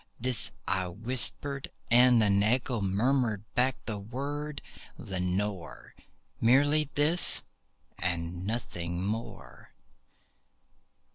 This I whispered, and an echo murmured back the word, "Lenore!" Merely this and nothing more.